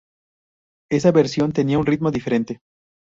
Esa versión tenía un ritmo diferente.